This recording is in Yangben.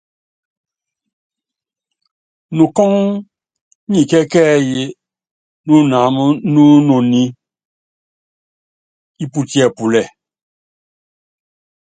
Nukɔ́ŋ nyi kɛ́kɛ́yí kánɛ wu inoní íputíɛ́púlɛ.